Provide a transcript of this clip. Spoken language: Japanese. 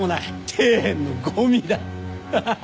底辺のゴミだ。ハハハ。